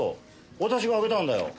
私があげたんだよ！